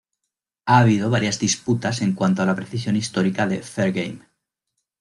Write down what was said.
Ha habido varias disputas en cuanto a la precisión histórica de "Fair Game".